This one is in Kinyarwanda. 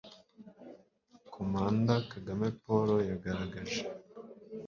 commander kagame paul yagaragaje